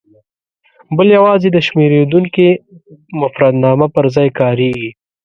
بل یوازې د شمېرېدونکي مفردنامه پر ځای کاریږي.